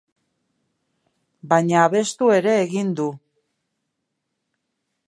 Baina abestu ere egiten du.